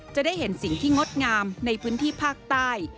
จะได้เห็นสิ่งที่งดงามในพื้นที่ภาคใต้